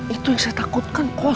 itu yang saya takutkan kok